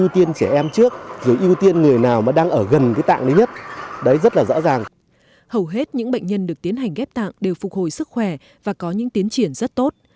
bệnh viện việt đức đã phục hồi sức khỏe và có những tiến triển rất tốt